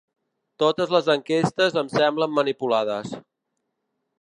Totes les enquestes em semblen manipulades.